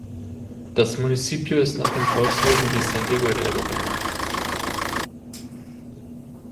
Das Municipio ist nach dem Volkshelden Vicente Guerrero benannt.